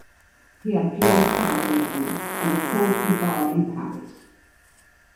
He abjured Calvinism, and was called to the bar in Paris.